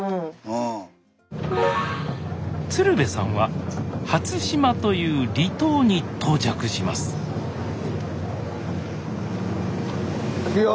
鶴瓶さんは初島という離島に到着しますいくよ！